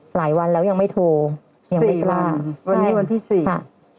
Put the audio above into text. หลายวันแล้วยังไม่โทรยังไม่กล้าวันนี้วันที่สี่ค่ะ